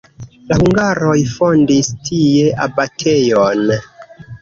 La hungaroj fondis tie abatejon.